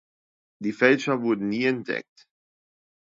Die Fälscher wurden nie entdeckt.